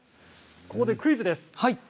ここでクイズです。